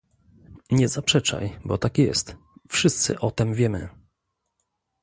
"Nie zaprzeczaj, bo tak jest, wszyscy o tem wiemy."